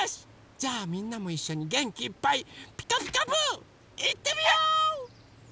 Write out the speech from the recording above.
じゃあみんなもいっしょにげんきいっぱい「ピカピカブ！」いってみよう！